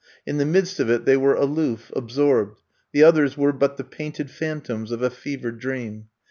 In the midst of it they were aloof, absorbed. The others were but the painted phantoms of a fevered dream.